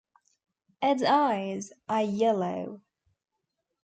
Its eyes are yellow.